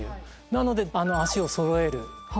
なので足をそろえる。